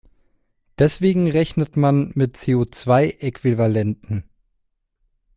Deswegen rechnet man mit CO-zwei-Äquivalenten.